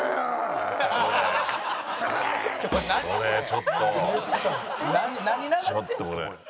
ちょっとこれ。